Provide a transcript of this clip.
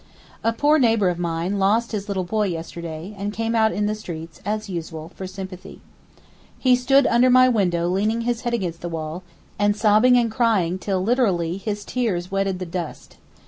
A poor neighbour of mine lost his little boy yesterday, and came out in the streets, as usual, for sympathy. He stood under my window leaning his head against the wall, and sobbing and crying till, literally, his tears wetted the dust.